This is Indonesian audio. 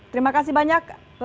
terima kasih banyak